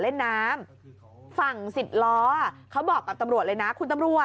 รถสิบล้อแปลก